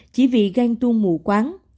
chỉ vì gan tu mù quán